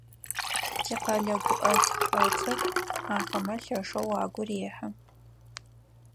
Тикъэлэ гуӏэтыпӏэ цӏыкӏу ахэмэ лъэшэу агу рехьы.